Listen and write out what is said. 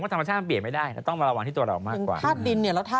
ธรรมชาติมันเปลี่ยนไม่ได้แต่ต้องมาระวังที่ตัวเรามากกว่า